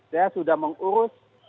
saya sudah mengurus